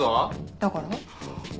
だから？